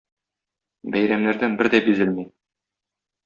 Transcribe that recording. Бәйрәмнәрдән бер дә бизелми.